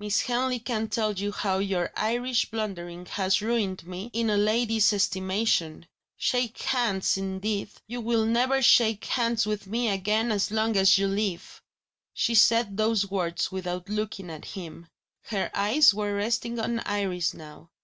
Miss Henley can tell you how your Irish blundering has ruined me in a lady's estimation. Shake hands, indeed! You will never shake hands with Me again as long as you live!" She said those words without looking at him; her eyes were resting on Iris now.